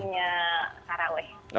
iya sekarang waktunya taraweeh